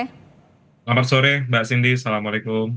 selamat sore mbak cindy assalamualaikum